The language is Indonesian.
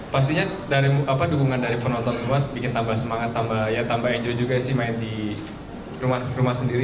pastinya dukungan dari penonton semua bikin tambah semangat tambah ya tambah enjoy juga sih main di rumah sendiri